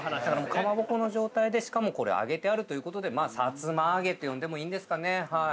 かまぼこの状態でしかもこれ揚げてあるという事でさつま揚げと呼んでもいいんですかねはい。